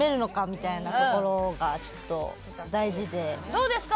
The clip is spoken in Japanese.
どうですか？